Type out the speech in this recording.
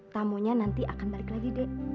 tamunya nanti akan balik lagi dek